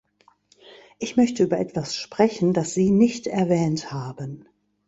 Ich möchte über etwas sprechen, das Sie nicht erwähnt haben.